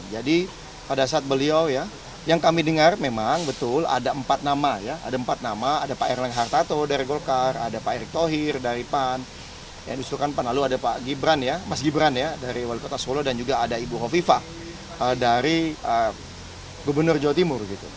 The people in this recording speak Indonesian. jadi pada saat beliau yang kami dengar memang betul ada empat nama ada pak erlang hartato dari golkar pak erik tohir dari pan pak gibran dari wali kota solo dan juga ada ibu hovifa dari gubernur jawa timur